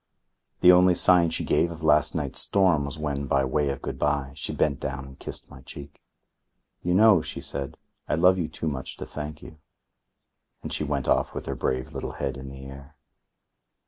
The only sign she gave of last night's storm was when, by way of good bye, she bent down and kissed my cheek. "You know," she said, "I love you too much to thank you." And she went off with her brave little head in the air.